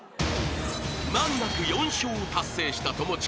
［難なく４笑を達成した友近］